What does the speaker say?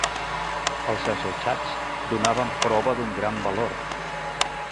Els assetjats donaven prova d'un gran valor.